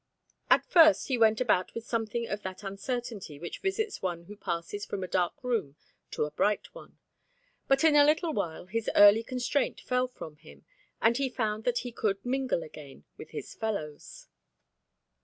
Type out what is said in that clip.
At first he went about with something of that uncertainty which visits one who passes from a dark room to a bright one, but in a little while his early constraint fell from him, and he found that he could mingle again with his fellows.